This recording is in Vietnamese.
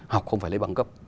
học không phải lấy bằng cấp